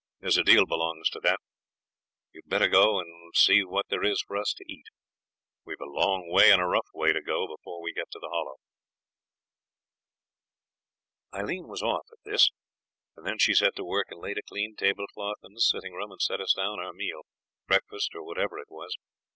There's a deal belongs to that. You'd better go and see what there is for us to eat. We've a long way and a rough way to go before we get to the Hollow.' Aileen was off at this, and then she set to work and laid a clean tablecloth in the sitting room and set us down our meal breakfast, or whatever it was.